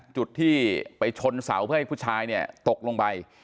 จุดที่ไปชนเสาเพื่อให้ผู้ชายเนี่ยตกลงไป